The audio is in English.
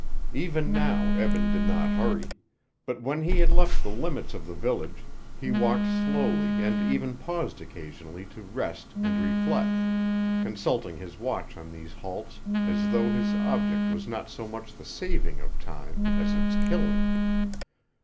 Even now Eben did not hurry, but when he had left the limits of the village he walked slowly and even paused occasionally to rest and reflect, consulting his watch on these halts as though his object was not so much the saving of time, as its killing.